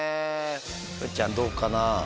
ふうちゃんどうかな？